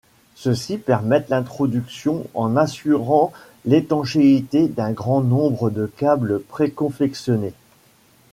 Ceux-ci permettent l'introduction en assurant l'étanchéité d'un grand nombre de câbles préconfectionnés.